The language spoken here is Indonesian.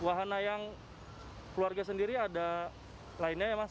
wahana yang keluarga sendiri ada lainnya ya mas